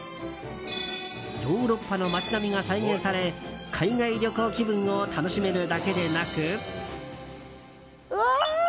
ヨーロッパの街並みが再現され海外旅行気分を楽しめるだけでなく。